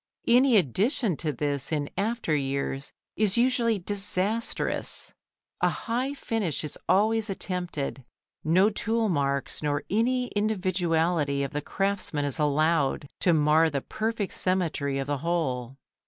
Any addition to this in after years is usually disastrous. A high finish is always attempted, no tool marks nor any individuality of the craftsman is allowed to mar the perfect symmetry of the whole.